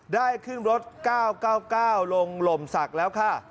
ได้ขึ้นรถ๙๙๙ลงหล่มศักดิ์แล้วค่ะ